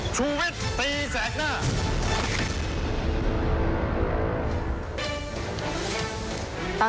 ชูวิศตีแสกหน้า